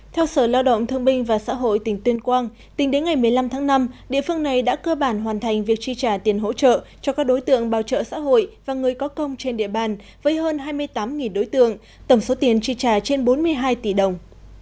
theo sở lao động thương binh và xã hội tỉnh tuyên quang tính đến ngày một mươi năm tháng năm địa phương này đã cơ bản hoàn thành việc chi trả tiền hỗ trợ cho các đối tượng bảo trợ xã hội và người có công trên địa bàn với hơn hai mươi tám đối tượng tổng số tiền chi trả trên bốn mươi hai tỷ đồng